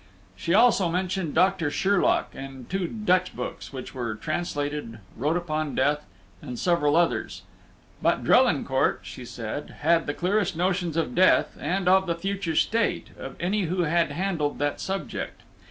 She also mentioned Doctor Sherlock, and two Dutch books, which were translated, wrote upon death, and several others. But Drelincourt, she said, had the clearest notions of death and of the future state of any who had handled that subject.